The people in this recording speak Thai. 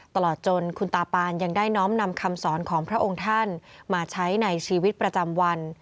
ตลอดจนคุณตาปานยังได้น้อมนำคำสอนของพระองค์ท่านมาใช้ในชีวิตประจำวัน